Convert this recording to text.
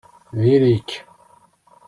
Diri-k!